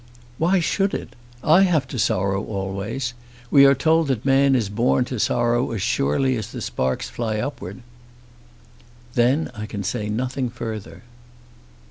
"Why should it? I have to sorrow always. We are told that man is born to sorrow as surely as the sparks fly upwards." "Then I can say nothing further."